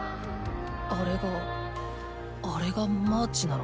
あれがあれがマーチなのか？